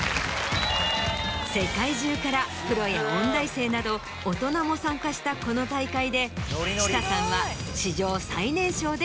・世界中からプロや音大生など大人も参加したこの大会でＣＨＩＴＡＡさんは。